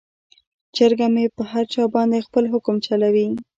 چرګه مې په هر چا باندې خپل حکم چلوي.